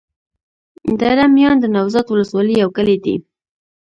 دره میان د نوزاد ولسوالي يو کلی دی.